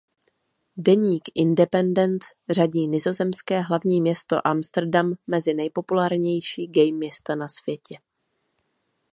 Deník "Independent" řadí nizozemské hlavní město Amsterdam mezi nejpopulárnější gay města na světě.